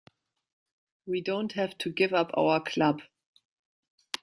We don't have to give up our club.